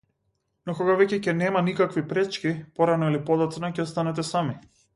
Но кога веќе ќе нема никакви пречки, порано или подоцна ќе останете сами!